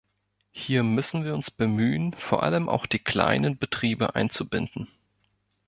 Hier müssen wir uns bemühen, vor allem auch die kleinen Betriebe einzubinden.